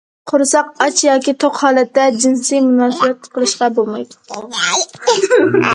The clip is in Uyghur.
قورساق ئاچ ياكى توق ھالەتتە جىنسىي مۇناسىۋەت قىلىشقا بولمايدۇ.